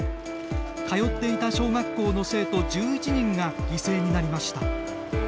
通っていた小学校の生徒１１人が犠牲になりました。